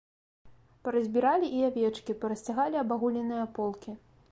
Паразбіралі і авечкі, парасцягалі абагуленыя аполкі.